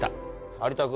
有田君。